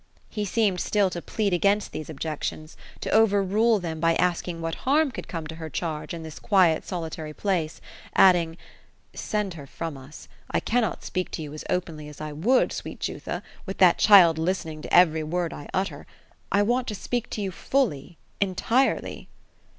He seemed still to plead against these objections; to overrule them by asking what harm could come to her charge, in this quiet, solitary place ; adding, '' Send her from us ; I cannot speak to you as openly as I would, sweet Jutha, with that child listening to every word I utter. I want to speak to you fully — entirely."